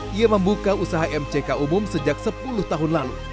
dia membuka usaha mck umum sejak sepuluh tahun lalu